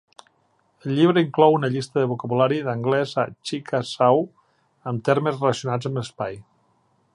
El llibre inclou una llista de vocabulari d'anglès a chickasaw amb termes relacionats amb l'espai.